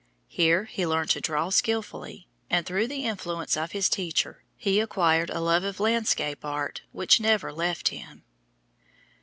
Here he learned to draw skillfully and, through the influence of his teacher, he acquired a love of landscape art which never left him.